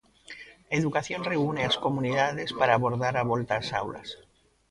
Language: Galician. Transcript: Educación reúne as comunidades para abordar a volta ás aulas.